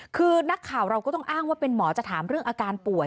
คือนักข่าวเราก็ต้องอ้างว่าเป็นหมอจะถามเรื่องอาการป่วย